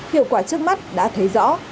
hiệu quả trước mắt đã thấy rõ